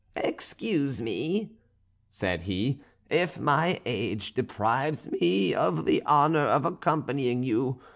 "Excuse me," said he, "if my age deprives me of the honour of accompanying you.